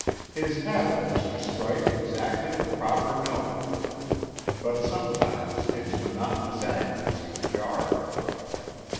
His habit was to strike exactly the proper note, but sometimes its monotonous accuracy jarred.